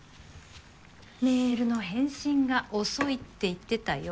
メールの返信が遅いって言ってたよ。